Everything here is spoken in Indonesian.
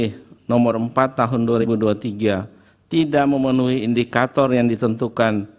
bahwa menurut pemohon terkait dengan pengangkat pejabat kepala daerah yang ditentukan